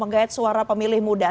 menggait suara pemilih muda